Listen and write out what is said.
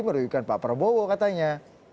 merugikan pak prabowo katanya